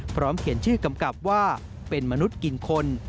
พร้อมเขียนชื่อกำกับว่าเป็นมนุษย์กินคน